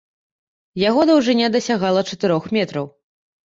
Яго даўжыня дасягала чатырох метраў.